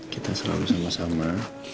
kita selalu sama sama